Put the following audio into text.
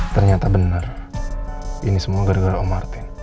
ternyata benar ini semua gara gara om martin